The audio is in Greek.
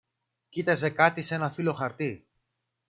Κοίταζε κάτι σε ένα φύλλο χαρτί